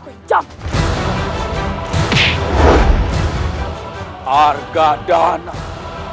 kau tahu apa sip competitive games